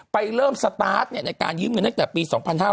เริ่มสตาร์ทในการยืมเงินตั้งแต่ปี๒๕๕๙